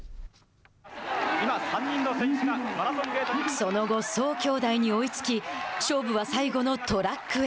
その後、宗兄弟に追いつき勝負は最後のトラックへ。